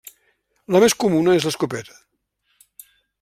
La més comuna és l'escopeta.